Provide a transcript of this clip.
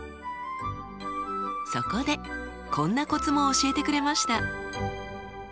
そこでこんなコツも教えてくれました。